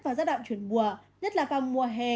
và giai đoạn chuyển mùa nhất là vào mùa hè